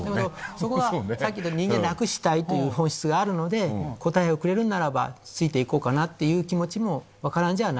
そこがさっきの人間楽したいという本質があるので答えをくれるならばついて行こうかなっていう気持ちも分からなくはない。